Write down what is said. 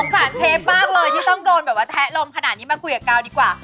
สารเชฟมากเลยที่ต้องโดนแบบว่าแทะลมขนาดนี้มาคุยกับกาวดีกว่า